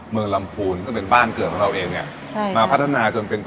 เมืองลำพูนซึ่งเป็นบ้านเกิดของเราเองเนี่ยใช่มาพัฒนาจนเป็น